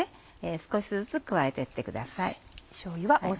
少しずつ加えてってください。